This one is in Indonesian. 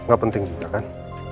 gak penting juga kan